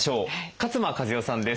勝間和代さんです。